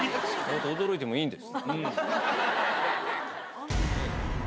驚いてもいいんです。